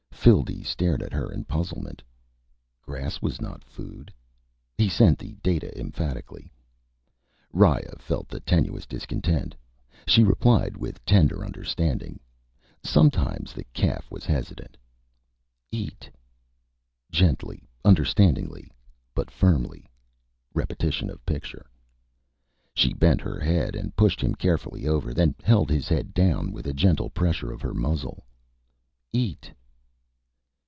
_ Phildee stared at her in puzzlement. Grass was not food. He sent the data emphatically. Riya felt the tenuous discontent. She replied with tender understanding. Sometimes the calf was hesitant. Eat. (Gently, understandingly, but firmly. [Repetition of picture.]) She bent her head and pushed him carefully over, then held his head down with a gentle pressure of her muzzle. _Eat.